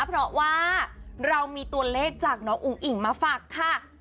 เพราะว่าเรามีตัวเลขจากน้องอุ๋งอิ่งมาฝากค่ะ